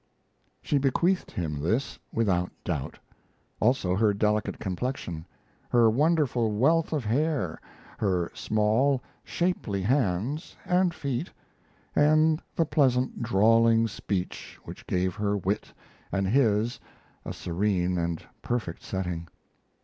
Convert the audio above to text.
She bequeathed him this, without doubt; also her delicate complexion; her wonderful wealth of hair; her small, shapely hands and feet, and the pleasant drawling speech which gave her wit, and his, a serene and perfect setting.